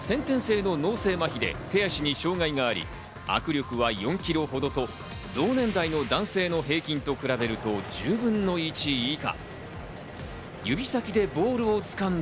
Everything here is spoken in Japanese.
杉村選手は先天性の脳性まひで手足に障害があり、握力は４ｋｇほどと同年代の男性の平均と比べると１０分の１以下。